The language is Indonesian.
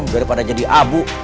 daripada jadi abu